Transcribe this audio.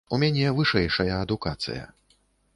У мяне вышэйшая адукацыя.